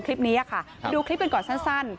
คลิปนี้ค่ะมาดูคลิปกันก่อนสั้น